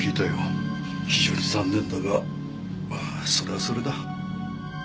非常に残念だがまあそれはそれだ。